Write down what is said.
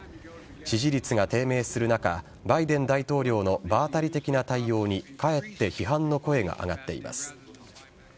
支持率が低迷する中バイデン大統領の場当たり的な対応にかえって批判の声が上がっています。